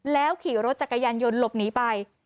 แล้วขี่รถจักรยานยนต์หลบหนีไป